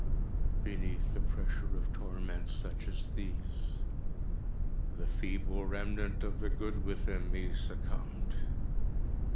Beneath the pressure of torments such as these, the feeble remnant of the good within me succumbed.